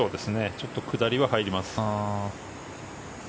ちょっと下りは入ります。